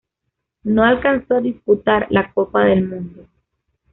No alcanzó a disputar la Copa del Mundo.